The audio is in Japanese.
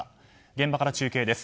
現場から中継です。